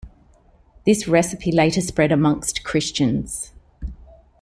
This recipe later spread amongst Christians.